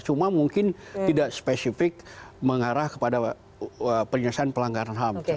cuma mungkin tidak spesifik mengarah kepada penyelesaian pelanggaran ham